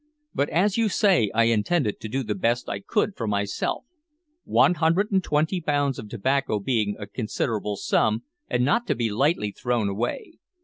But, as you say, I intended to do the best I could for myself; one hundred and twenty pounds of tobacco being a considerable sum, and not to be lightly thrown away.